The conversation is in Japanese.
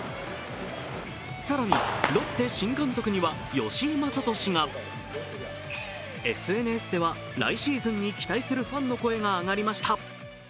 更にロッテ新監督には吉井理人氏が。ＳＮＳでは、来シーズンに期待するファンの声が上がりました。